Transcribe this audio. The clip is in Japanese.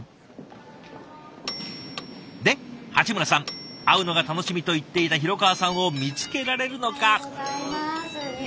で鉢村さん会うのが楽しみと言っていた廣川さんを見つけられるのか。